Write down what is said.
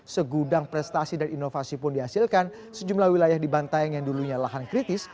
segudang prestasi dan inovasi pun dihasilkan sejumlah wilayah di bantaeng yang dulunya lahan kritis